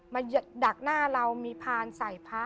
ดักหน้าเรามีพานใส่พระ